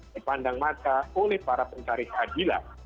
dipandang mata oleh para pencari keadilan